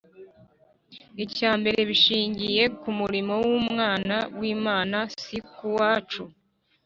Icya mbere, bishingiye ku murimo w'Umwana w'Imana, si ku wacu.